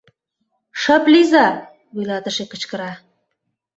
Шып лийза! — вуйлатыше кычкыра.